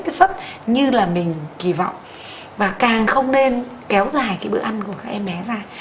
cái suất như là mình kỳ vọng và càng không nên kéo dài cái bữa ăn của các em bé ra